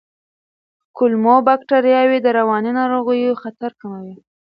کولمو بکتریاوې د رواني ناروغیو خطر کموي.